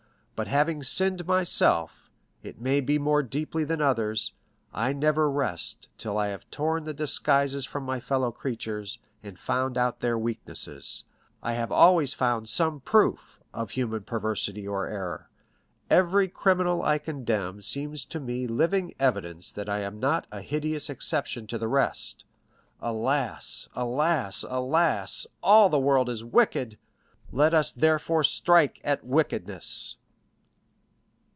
But having sinned myself,—it may be more deeply than others,—I never rest till I have torn the disguises from my fellow creatures, and found out their weaknesses. I have always found them; and more,—I repeat it with joy, with triumph,—I have always found some proof of human perversity or error. Every criminal I condemn seems to me living evidence that I am not a hideous exception to the rest. Alas, alas, alas; all the world is wicked; let us therefore strike at wickedness!"